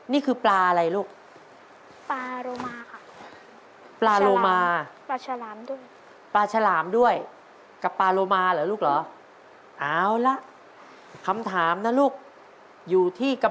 นี่คือปลาอะไรลูก